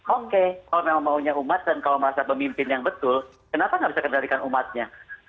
oke kalau memang maunya umat dan kalau merasa pemimpin yang betul kenapa nggak bisa kendalikan umatnya